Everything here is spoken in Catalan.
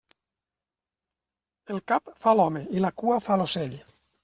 El cap fa l'home i la cua fa l'ocell.